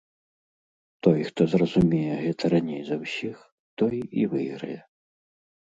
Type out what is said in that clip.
Той, хто зразумее гэта раней за ўсіх, той і выйграе.